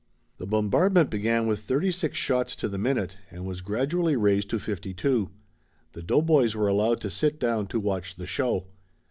The bombardment began with thirty six shots to the minute and was gradually raised to fifty two. The doughboys were allowed to sit down to watch the show.